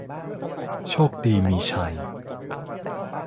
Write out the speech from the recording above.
โชคดีมีชัย